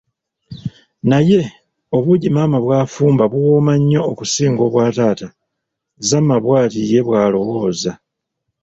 Naye obuugi maama bw'afumba buwooma nnyo okusinga obwa taata, Zama bwati ye walowooza.